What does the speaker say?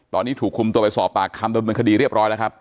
ตอนนี้ถูกคุมตัวไปสอบปากคำดำเนินคดีเรียบร้อยแล้วครับ